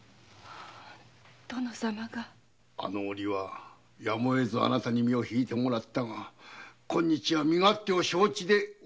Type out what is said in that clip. あの折はあなたに身を引いてもらったが今日は身勝手を承知でお願いに参った。